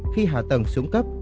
khi hạ tầng xuống cấp